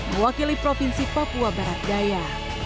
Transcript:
mewakili provinsi papua barat daya